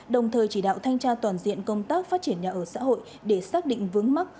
đồng thời chỉ đạo thanh tra toàn diện công tác phát triển nhà ở xã hội để xác định vướng mắc